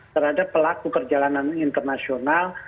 terhadap pelaku perjalanan internasional